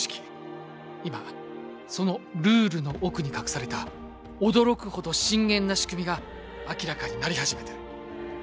今そのルールの奥に隠された驚くほど深淵なしくみが明らかになり始めている。